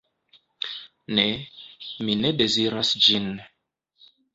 Ne, mi ne deziras ĝin.